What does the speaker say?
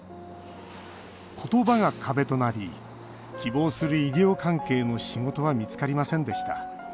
言葉が壁となり希望する医療関係の仕事は見つかりませんでした。